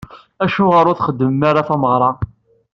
Acuɣer ur txeddmem ara tameɣra?